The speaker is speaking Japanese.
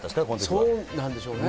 そうなんでしょうね。